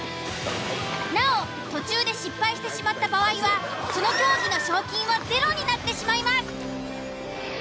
なお途中で失敗してしまった場合はその競技の賞金はゼロになってしまいます。